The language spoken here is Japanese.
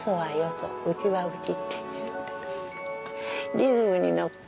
リズムにのって。